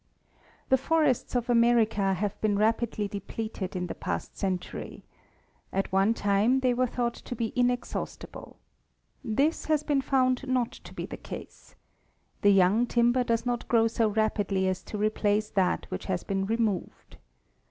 The forests of America have been rapidly depleted in the past century. At one time they were thought to be inexhaustible. This has been found not to be the case.. The young timber does not grow so rapidly as to replace that which has been removed.